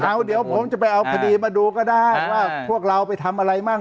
เอาเดี๋ยวผมจะไปเอาคดีมาดูก็ได้ว่าพวกเราไปทำอะไรมั่ง